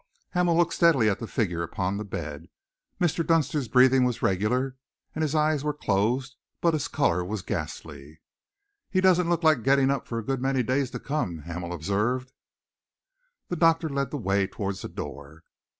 Hamel looked steadily at the figure upon the bed. Mr. Dunster's breathing was regular, and his eyes were closed, but his colour was ghastly. "He doesn't look like getting up for a good many days to come," Hamel observed. The doctor led the way towards the door.